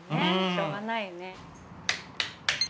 しょうがないね。